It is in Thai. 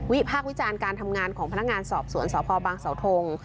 พากษ์วิจารณ์การทำงานของพนักงานสอบสวนสพบางสาวทง